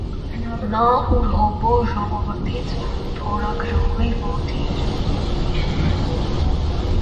Նա ուրհոբո ժողովրդից փորագրողի որդի էր։